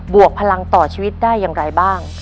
วกพลังต่อชีวิตได้อย่างไรบ้าง